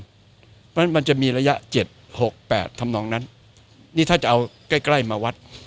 เพราะฉะนั้นมันจะมีระยะ๗๖๘ทำนองนั้นนี่ถ้าจะเอาใกล้ใกล้มาวัด